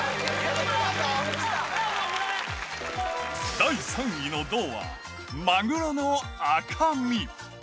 第３位の銅は、まぐろの赤身。